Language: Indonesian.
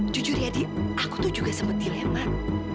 jujur ya di aku tuh juga sempat dilemat